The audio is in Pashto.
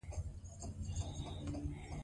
ماشومان د لوبو په ډګر کې نوښت زده کوي.